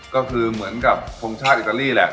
ก็คือเหมือนกับทรงชาติอิตาลีแหละ